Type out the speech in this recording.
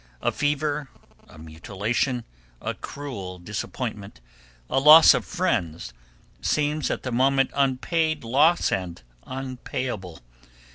A fever, a mutilation, a cruel disappointment, a loss of friends, seems at the moment unpaid loss and unpayable.